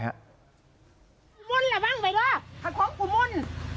กดค้น